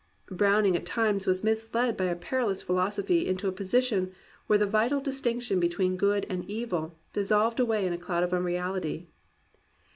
^^ Browning was at times misled by a perilous phi losophy into a position where the vital distinction between good and evil dissolved away in a cloud of unreality.